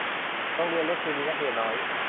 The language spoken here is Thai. โรงเรียนเล็กคือมีนักเรียนน้อย